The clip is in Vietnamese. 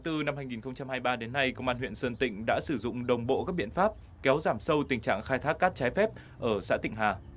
từ năm hai nghìn hai mươi ba đến nay công an huyện sơn tịnh đã sử dụng đồng bộ các biện pháp kéo giảm sâu tình trạng khai thác cát trái phép ở xã tịnh hà